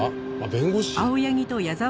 弁護士？